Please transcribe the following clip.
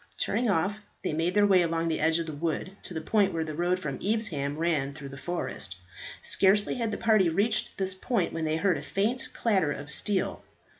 Turning off, they made their way along the edge of the wood to the point where the road from Evesham ran through the forest. Scarcely had the party reached this point when they heard a faint clatter of steel.